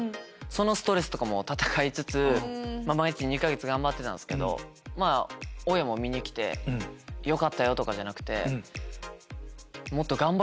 そのストレスとかも闘いつつ２か月頑張ってたんですけど親も見に来てよかったよ！とかじゃなくて。